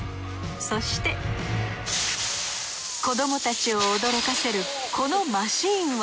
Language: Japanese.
そして子どもたちを驚かせるこのマシンは？